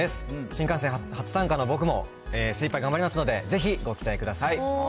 新感線初参加の僕も、精いっぱい頑張りますので、ぜひご期待ください。